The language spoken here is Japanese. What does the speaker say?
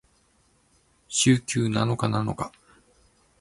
週休七日なのか？